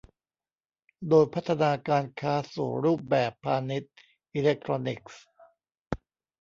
โดยพัฒนาการค้าสู่รูปแบบพาณิชย์อิเล็กทรอนิกส์